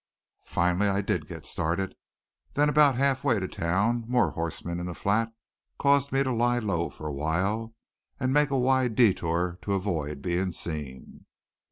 Finally I did get started. Then about half way to town more horsemen in the flat caused me to lie low for a while, and make a wide detour to avoid being seen.